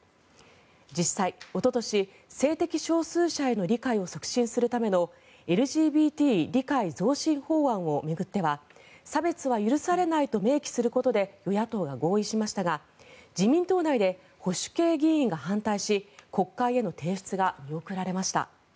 実際おととし、性的少数者への理解を促進するためのＬＧＢＴ理解増進法案を巡っては差別は許されないと明記することで与野党は合意しましたが自民党内で保守系議員が反対し国会への提出が見送られました。